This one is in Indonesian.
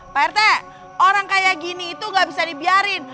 pak rt orang kayak gini itu gak bisa dibiarin